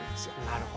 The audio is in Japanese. なるほど。